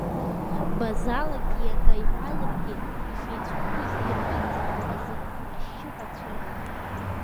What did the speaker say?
Базалагьы иага иҳәаргьы ишицәымшәоз иирбарц азы ашьшьыҳәа дцәажәон.